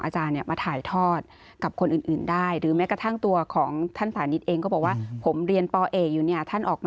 ใช่ครับใช่ครับ